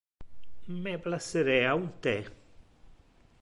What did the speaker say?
Me placerea un the.